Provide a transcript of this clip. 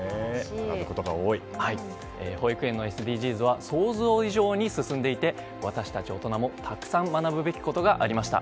保育園のＳＤＧｓは想像以上に進んでいて私たち大人もたくさん学ぶべきことがありました。